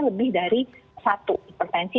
lebih dari satu hipertensi